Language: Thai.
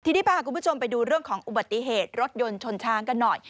ทีนี้พาคุณผู้ชมไปดูเรื่องของอุบัติเหตุรถยนต์ชนช้างกันหน่อย